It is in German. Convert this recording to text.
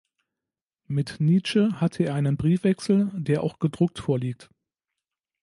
Mit Nitzsch hatte er einen Briefwechsel, der auch gedruckt vorliegt.